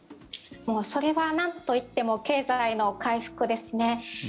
それはなんといっても経済の回復ですね。